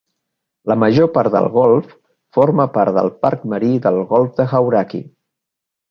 La major part del golf forma part del Parc marí del golf de Hauraki.